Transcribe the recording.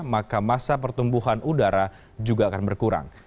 maka masa pertumbuhan udara juga akan berkurang